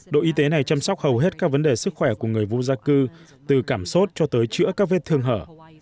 đội y tế này chăm sóc hầu hết các vấn đề sức khỏe của người vô gia cư từ cảm sốt cho tới chữa các vết thương hở